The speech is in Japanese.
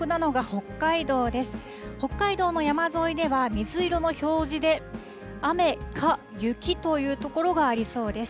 北海道の山沿いでは、水色の表示で、雨か雪という所がありそうです。